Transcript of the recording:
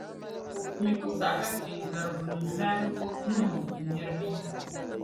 M mi ku saɣi ka kpeengarigunim’ lan nahim n niriba yaha.